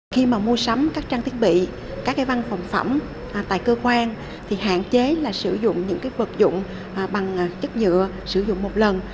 khi mà mua sắm các trang thiết bị các cái văn phòng phẩm tại cơ quan thì hạn chế là sử dụng những vật dụng bằng chất nhựa sử dụng một lần